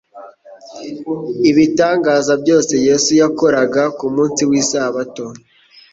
Ibitangaza byose Yesu yakoraga ku munsi w'isabato,